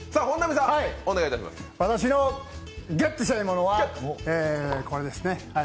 私のゲッツしたいものはこれですね。